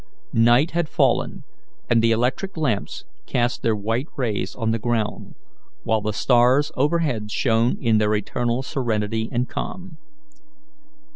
Night had fallen, and the electric lamps cast their white rays on the ground, while the stars overhead shone in their eternal serenity and calm.